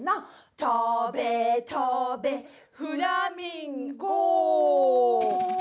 「とべとべ」「フラミンゴ」